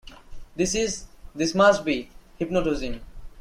This is — this must be — hypnotism.